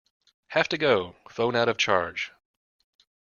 Have to go; phone out of charge.